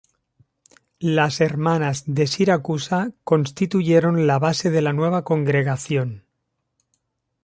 Las hermanas de Siracusa constituyeron la base de la nueva congregación.